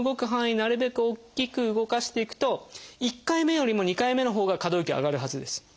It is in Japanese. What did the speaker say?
なるべく大きく動かしていくと１回目よりも２回目のほうが可動域上がるはずです。